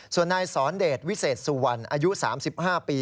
ส่วนนายสอนเดชวิเศษสุวรรณอายุ๓๕ปี